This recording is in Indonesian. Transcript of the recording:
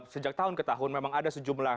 sejak tahun ke tahun memang ada sejumlah